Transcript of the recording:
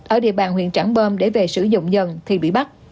ở địa bàn huyện tráng bom để về sử dụng dần thì bị bắt